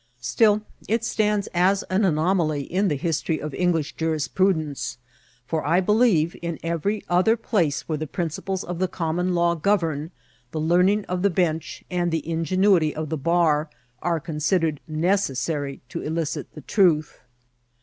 Still it stands as an anomaly in the history of English jurisprudence ; for, I believe, in every other place where the principles of the common law govern, the learning of the bench and the ingenui ty of the bar are considered necessary to elicit the truth.